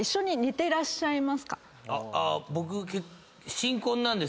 僕。